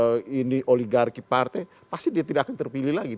kalau ini oligarki partai pasti dia tidak akan terpilih lagi